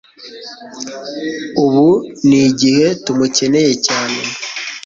Ubu ni igihe tumukeneye cyane